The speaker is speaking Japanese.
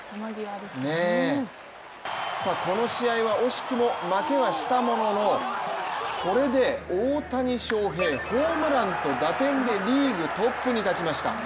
この試合は惜しくも負けはしたもののこれで大谷翔平、ホームランと打点でリーグトップに立ちました。